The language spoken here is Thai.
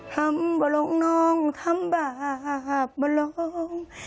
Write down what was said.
ทำบาลองนองทำบาปบาลอง